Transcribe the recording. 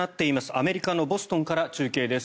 アメリカのボストンから中継です。